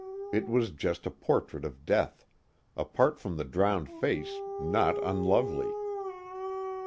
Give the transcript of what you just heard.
It was just a portrait of death; apart from the drowned face, not unlovely.